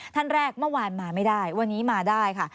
ท่านแรกเมื่อวานมาไม่ได้วันนี้มาได้ค่ะ